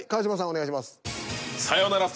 お願いします。